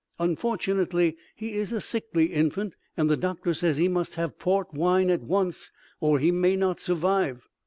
Unfortunately he is a sicly infant and the doctor says he must have port wine at once or he may not survive.